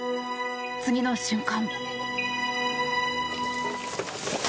次の瞬間。